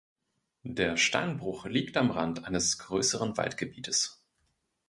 Der Steinbruch liegt am Rand eines größeren Waldgebietes.